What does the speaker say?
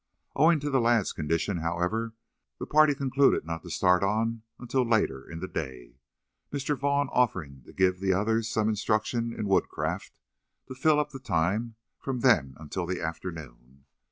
Owing to the lad's condition, however, the party concluded not to start on until later in the day, Mr. Vaughn offering to give the others some instruction in woodcraft to fill up the time from then until the afternoon.